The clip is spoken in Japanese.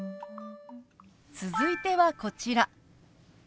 続いてはこちら。